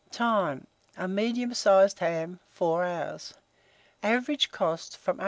Time. A medium sized ham, 4 hours. Average cost, from 8d.